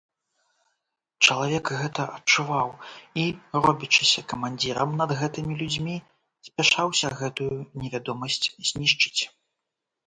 Чалавек гэта адчуваў і, робячыся камандзірам над гэтымі людзьмі, спяшаўся гэтую невядомасць знішчыць.